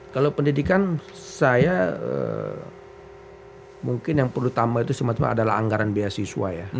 kalau pendidikan saya mungkin yang perlu tambah itu cuma adalah anggaran beasiswa ya